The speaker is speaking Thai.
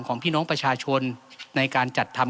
ของพี่น้องประชาชนในการจัดทำ